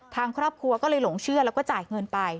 ทางครอบครัวก็เลยหลงเชื่อแล้วก็จ่ายเงินไป